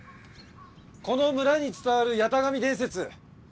この村に伝わる八咫神伝説。